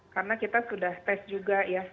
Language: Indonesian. karena kita sudah tes juga ya